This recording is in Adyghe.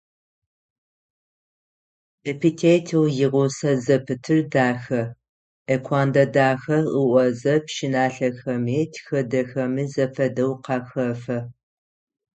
Эпитетэу игъусэ зэпытыр «дахэ» - «Акуандэ-дахэ», ыӏозэ пщыналъэхэми тхыдэхэми зэфэдэу къахэфэ.